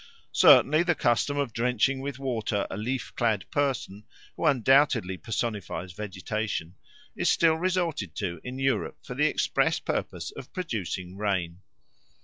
Certainly the custom of drenching with water a leaf clad person, who undoubtedly personifies vegetation, is still resorted to in Europe for the express purpose of producing rain.